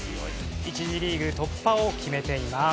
１次リーグ突破を決めています。